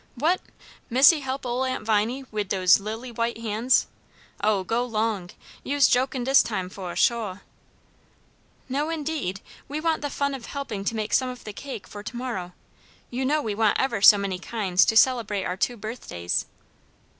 "What! Missy help ole Aunt Viney wid dose lily white hands? Oh, go 'long! you's jokin' dis time fo' shuah." "No indeed; we want the fun of helping to make some of the cake for to morrow. You know we want ever so many kinds to celebrate our two birthdays."